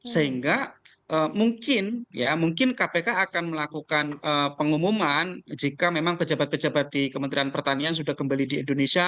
sehingga mungkin ya mungkin kpk akan melakukan pengumuman jika memang pejabat pejabat di kementerian pertanian sudah kembali di indonesia